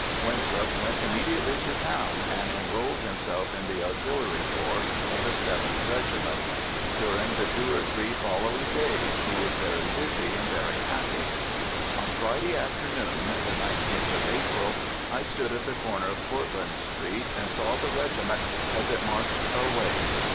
Winthrop went immediately to town and enrolled himself in the artillery corps of the Seventh Regiment. During the two or three following days he was very busy and very happy. On Friday afternoon, the 19th of April, I stood at the corner of Courtland Street and saw the regiment as it marched away.